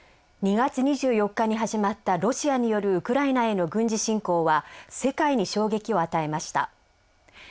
２月２４日に始まったロシアによるウクライナへの軍事侵攻は世界に衝撃を与えました。